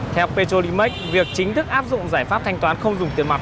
theo petrolimax việc chính thức áp dụng giải pháp thanh toán không dùng tiền mặt